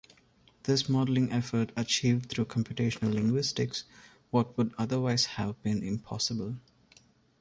This modeling effort achieved, through computational linguistics, what would otherwise have been impossible.